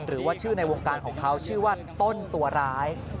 หรือว่าชื่อในวงการของเขาชื่อว่าต้นตัวร้าย